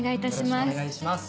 よろしくお願いします